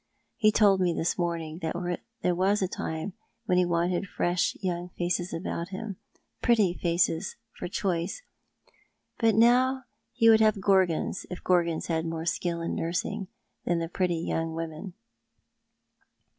He told me this morning that there was a time when he wanted fresh young faces about him — pretty faces for choice — but tliat now he would have Gorgons if the Gorgons had more skill in nursing than the pretty young women.